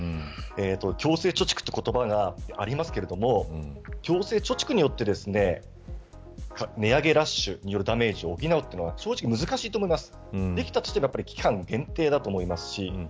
強制貯蓄という言葉がありますが強制貯蓄によって値上げラッシュによるダメージを補うというのは正直難しいと思います。